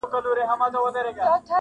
شور د کربلا کي به د شرنګ خبري نه کوو-